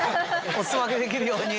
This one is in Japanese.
お裾分けできるように？